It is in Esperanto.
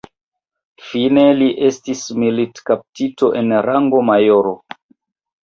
Fine li estis militkaptito en rango majoro.